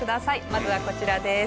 まずはこちらです。